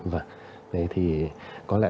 vậy thì có lẽ